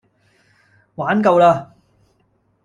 玩夠啦